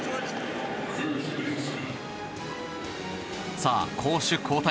さあ、攻守交代。